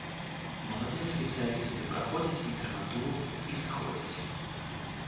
Маладыя спецыялісты праходзяць інтэрнатуру і сыходзяць.